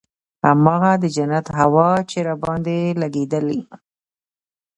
هماغه د جنت هوا چې راباندې لګېدله.